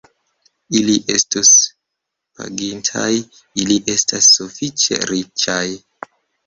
Ili estus pagintaj; ili estas sufiĉe riĉaj.